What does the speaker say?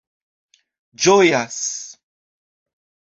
ĝojas